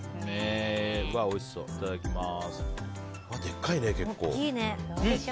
いただきます。